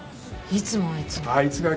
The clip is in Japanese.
いつもあいつが。